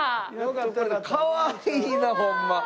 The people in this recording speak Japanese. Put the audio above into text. かわいいなホンマ。